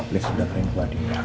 gak bisa udah keren kuat cuy